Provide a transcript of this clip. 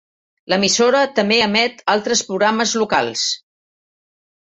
L'emissora també emet altres programes locals.